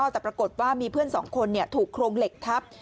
แต่ปรากฏว่ามีเพื่อนสองคนถูกโครงเหล็กทับ